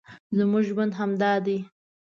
زموږ ژوند همدا دی